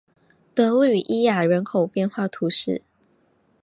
德吕伊亚人口变化图示